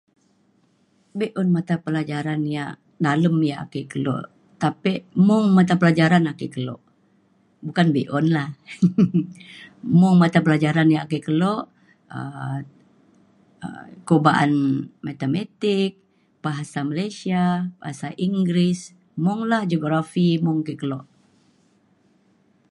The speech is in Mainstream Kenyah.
be'un matapelajaran ya' ngalem ya' ake keluk tapi mung matapelajaran ake keluk bukan be'un la mung matapelajaran ya' ake keluk um ku ba'an matematik bahasa malaysia bahasa inggeris mung la geografi mung ake keluk